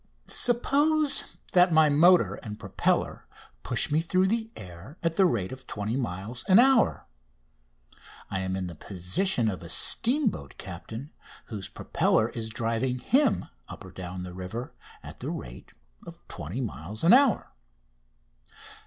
Suppose that my motor and propeller push me through the air at the rate of 20 miles an hour, I am in the position of a steamboat captain whose propeller is driving him up or down the river at the rate of 20 miles an hour.